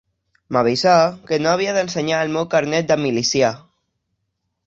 M'avisà que no havia d'ensenyar el meu carnet de milicià